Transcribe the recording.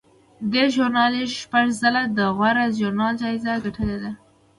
دې ژورنال شپږ ځله د غوره ژورنال جایزه ګټلې ده.